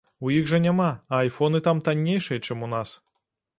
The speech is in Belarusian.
У іх жа няма, а айфоны там таннейшыя, чым у нас.